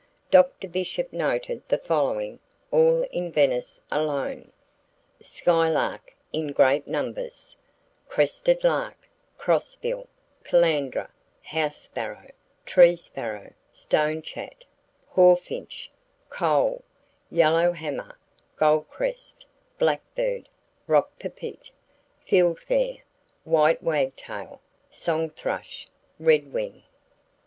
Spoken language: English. Dr. Bishop noted the following, all in Venice alone: Skylark ("in great numbers"), Crested Lark, Crossbill, Calandra, House Sparrow, Tree Sparrow, Stonechat, Hawfinch, Coal, Yellow Hammer, Goldcrest, Blackbird, Rock Pipit, Fieldfare, White Wagtail, Song Thrush, Redwing.